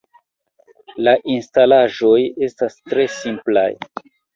La instalaĵoj estas tre simplaj.